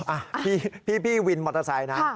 อ่ะพี่วินมอเตอร์ไซค์นะ